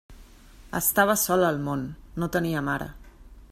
Estava sol al món; no tenia mare.